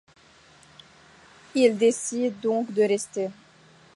Ils décident donc de rester.